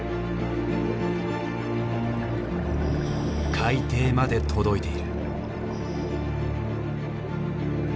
海底まで届いている。